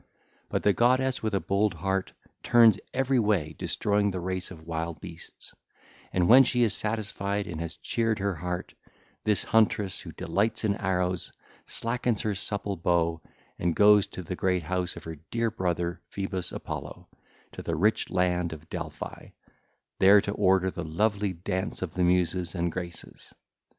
But the goddess with a bold heart turns every way destroying the race of wild beasts: and when she is satisfied and has cheered her heart, this huntress who delights in arrows slackens her supple bow and goes to the great house of her dear brother Phoebus Apollo, to the rich land of Delphi, there to order the lovely dance of the Muses and Graces.